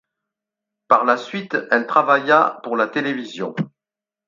Par la suite, elle travailla pour la télévision.